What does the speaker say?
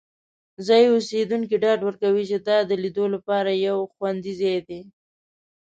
ځایی اوسیدونکي ډاډ ورکوي چې دا د لیدو لپاره یو خوندي ځای دی.